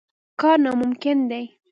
کار ناممکن دی.